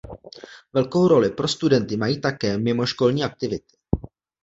Velkou roli pro studenty mají také mimoškolní aktivity.